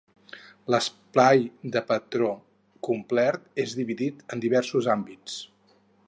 L'espai de patró complet és dividit en diversos àmbits.